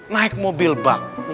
naik mobil bak